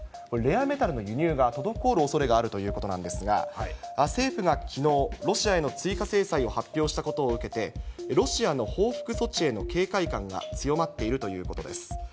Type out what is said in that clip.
これ、レアメタルの輸入が滞るおそれがあるということなんですが、政府がきのう、ロシアへの追加制裁を発表したことを受けて、ロシアの報復措置への警戒感が強まっているということです。